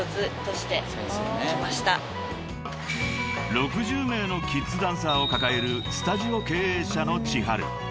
［６０名のキッズダンサーを抱えるスタジオ経営者のｃｈｉｈａｒｕ］